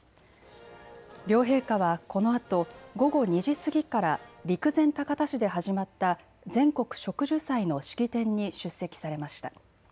両陛下はこのあと午後２時過ぎから陸前高田市で始まった全国植樹祭の式典に出席されました。